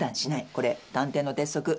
これ探偵の鉄則。